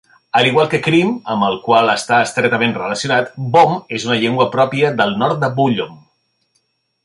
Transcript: A l'igual que Krim, amb el qual està estretament relacionat, Bom és una llengua pròpia del nord de Bullom.